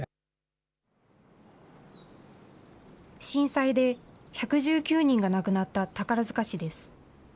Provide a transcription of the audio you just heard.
震災で１１９人が亡くなった宝塚市です。